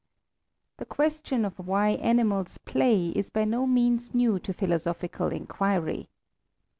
The question of why animals play is by no means new to philosophical inquiry.